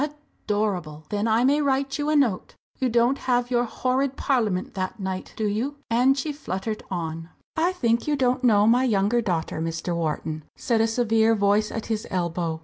"Adorable! Then I may write you a note? You don't have your horrid Parliament that night, do you?" and she fluttered on. "I think you don't know my younger daughter, Mr. Wharton?" said a severe voice at his elbow.